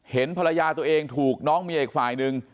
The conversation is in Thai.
เห็นภรรยาตัวเองถูกน้องเมียอีกฝ่ายนึง